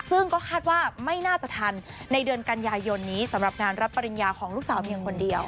ซึ่งก็คาดว่าไม่น่าจะทันในเดือนกันยายนนี้สำหรับงานรับปริญญาของลูกสาวเพียงคนเดียว